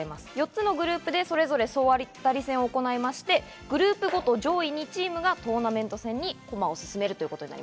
４つのグループでそれぞれ総当たり戦を行ってクループごとに上位２チームがトーナメント戦に駒を進めます。